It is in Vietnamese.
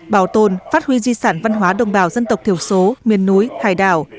bảo tồn phát huy di sản văn hóa đồng bào dân tộc thiểu số miền núi hải đảo